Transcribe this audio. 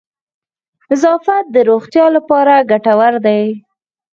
نظافت د روغتیا لپاره گټور دی.